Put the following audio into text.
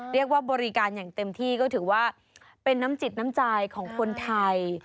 เรียกว่าบริการอย่างเต็มที่ก็ถือว่าเป็นน้ำจิตน้ำใจของคนไทย